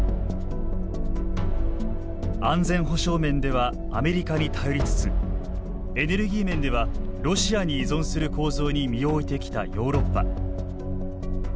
安全保障面ではアメリカに頼りつつエネルギー面ではロシアに依存する構造に身を置いてきたヨーロッパ。